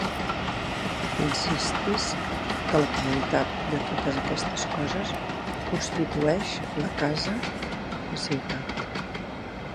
Insistisc que la comunitat de totes aquestes coses constitueix la casa i la ciutat.